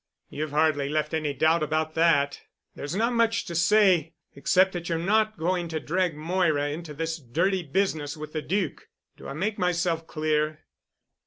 "You've hardly left any doubt about that. There's not much to say, except that you're not going to drag Moira into this dirty business with the Duc. Do I make myself clear?"